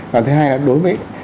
còn thứ hai là đối với